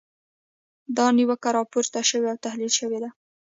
دا نیوکه راپور شوې او تحلیل شوې ده.